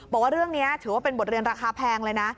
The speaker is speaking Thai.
บอกว่าเรื่องนี้ถือว่าเป็นบทเรียนราคาแพงเลยนะ